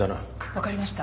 分かりました。